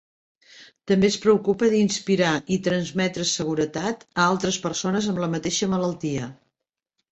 També es preocupa d'inspirar i transmetre seguretat a altres persones amb la mateixa malaltia.